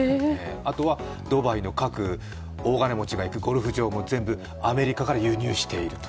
あとはドバイの各大金持ちが行くゴルフ場も全部アメリカから輸入している。